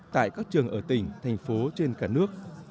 tại các trường ở tỉnh thành phố trên cả nước